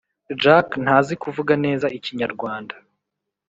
jack ntazi kuvuga nez ikinyarwanda